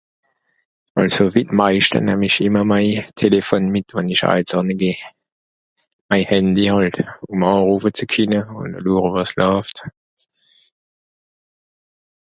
also wie d'maischte nehm ìsch ìmmer may Téléphone mìt wann ìsch (haitz ònne) geh may handy hàlte ... ùn lòre wàs làfte